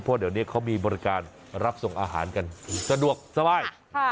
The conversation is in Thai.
เพราะเดี๋ยวนี้เขามีบริการรับส่งอาหารกันสะดวกสบาย